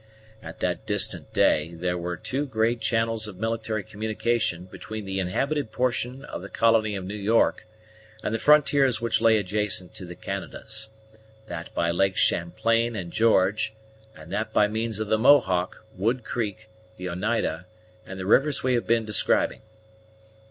At that distant day there were two great channels of military communication between the inhabited portion of the colony of New York and the frontiers which lay adjacent to the Canadas, that by Lakes Champlain and George, and that by means of the Mohawk, Wood Creek, the Oneida, and the rivers we have been describing.